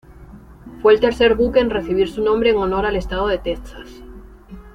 Fue el tercer buque en recibir su nombre en honor al estado de Texas.